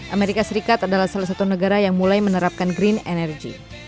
amerika serikat adalah salah satu negara yang mulai menerapkan green energy